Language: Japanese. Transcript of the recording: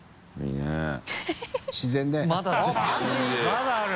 まだある？